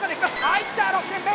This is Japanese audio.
入った６点目！